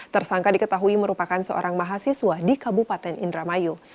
tersangka diketahui merupakan seorang mahasiswa di kabupaten indramayu